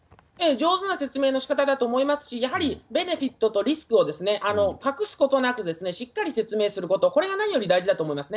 上手な説明のしかただと思いますし、やはりベネフィットとリスクを隠すことなくしっかり説明すること、これが何より大事だと思いますね。